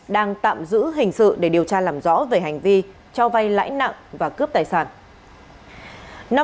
đang tạm giữ hình sự để điều tra làm rõ về hành vi cho vay lãi nặng và cướp tài sản